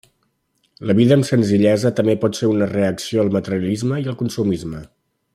La vida amb senzillesa també pot ser una reacció al materialisme i el consumisme.